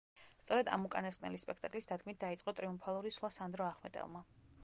სწორედ ამ უკანასკნელი სპექტაკლის დადგმით დაიწყო ტრიუმფალური სვლა სანდრო ახმეტელმა.